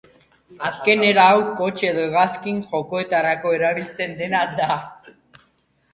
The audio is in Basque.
Azken era hau kotxe edo hegazkin jokoetarako erabiltzen dena da.